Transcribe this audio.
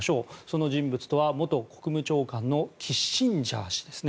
その人物とは元国務長官のキッシンジャー氏です。